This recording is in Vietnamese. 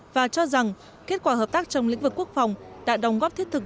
và cho rằng kết quả hợp tác trong lĩnh vực quốc phòng đã đồng góp thiết thực